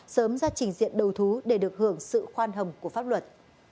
sớm ra trình diện đầu thú để được hưởng sự khoan hồng của pháp luật